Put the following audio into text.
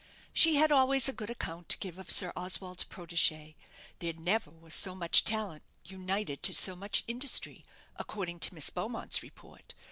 She had always a good account to give of Sir Oswald's protégée there never was so much talent united to so much industry, according to Miss Beaumont's report.